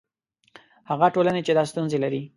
هغه ټولنې چې دا ستونزې لري.